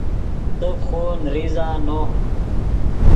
تیف خو نریزہ نو